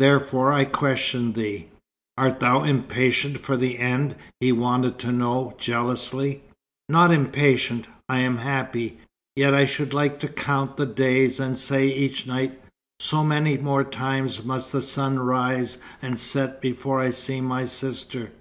Therefore I question thee." "Art thou impatient for the end?" he wanted to know, jealously. "Not impatient. I am happy. Yet I should like to count the days, and say each night, 'So many more times must the sun rise and set before I see my sister.'"